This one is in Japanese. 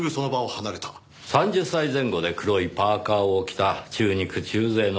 ３０歳前後で黒いパーカを着た中肉中背の男。